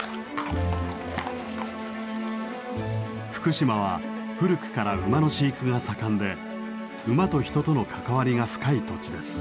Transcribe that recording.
福島は古くから馬の飼育が盛んで馬と人との関わりが深い土地です。